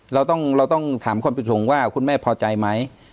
เราต้องถามความปิดทงว่าคุณแม่พอใจไหม